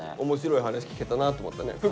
面白い話聞けたなと思ったね。